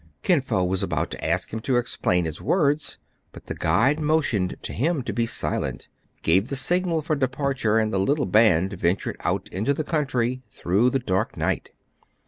" Kin Fo was about to ask him to explain his words ; but the guide motioned to him to be silent, gave the signal for departure, and the little band ventured out into the country through the dark night.